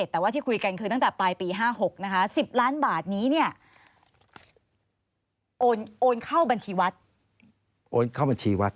แต่ว่าที่คุยกันคือตั้งแต่ปลายปี๕๖นะคะ